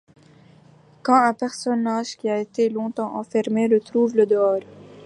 quand un personnage qui a été longtemps enfermé retrouve le dehors.